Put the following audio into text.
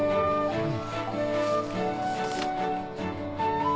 うん。